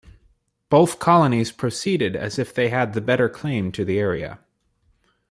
Both colonies proceeded as if they had the better claim to the area.